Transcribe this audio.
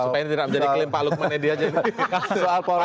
supaya ini tidak menjadi klaim pak lukman